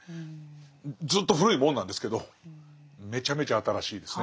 ずっと古いもんなんですけどめちゃめちゃ新しいですね考え方が。